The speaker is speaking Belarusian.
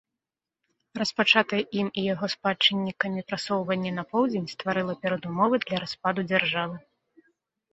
Распачатае ім і яго спадчыннікамі прасоўванне на поўдзень стварыла перадумовы для распаду дзяржавы.